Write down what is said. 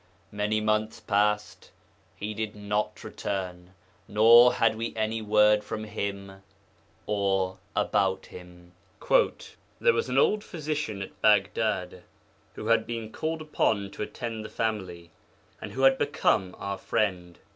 Many months passed; he did not return, nor had we any word from him or about him. 'There was an old physician at Baghdad who had been called upon to attend the family, and who had become our friend.